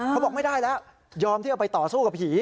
เขาบอกไม่ได้แล้วยอมที่เอาไปต่อสู้กับผี